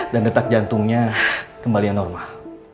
dan detak jantungnya kembali normal